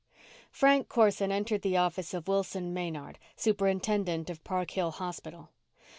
12 Frank Corson entered the office of Wilson Maynard, Superintendent of Park Hill Hospital.